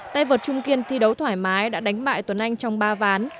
tay vợt trung kiên thi đấu thoải mái đã đánh bại tuấn anh trong ba ván